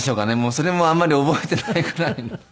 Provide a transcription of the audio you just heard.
それもあんまり覚えていないくらいの。